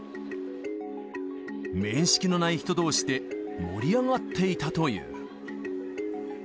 面識のない人どうしで盛り上がっていたという。